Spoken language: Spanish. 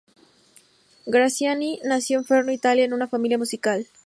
Graziani nació en Fermo, Italia, en una familia musical.